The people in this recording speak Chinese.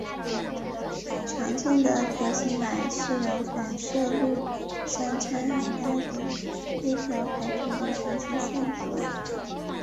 常见的条形码是由反射率相差很大的黑条排成的平行线图案。